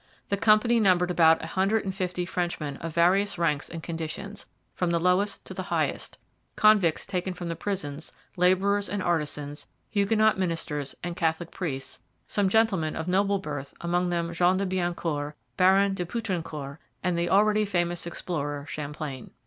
The company numbered about a hundred and fifty Frenchmen of various ranks and conditions, from the lowest to the highest convicts taken from the prisons, labourers and artisans, Huguenot ministers and Catholic priests, some gentlemen of noble birth, among them Jean de Biencourt, Baron de Poutrincourt, and the already famous explorer Champlain.